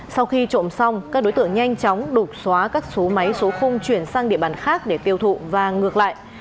sau khi trộm xong các đối tượng nhanh chóng đục xóa các số máy số khung chuyển sang địa bàn khác để tiêu thụ và ngược lại